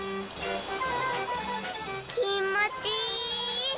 きもちいい！